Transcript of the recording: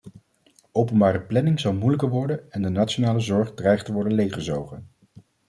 Openbare planning zal moeilijker worden en de nationale zorg dreigt te worden leeggezogen.